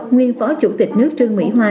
nguyên phó chủ tịch nước trương mỹ hoa